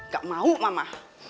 gak mau mama